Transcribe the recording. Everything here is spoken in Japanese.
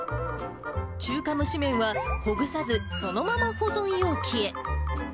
中華蒸し麺は、ほぐさず、そのまま保存容器へ。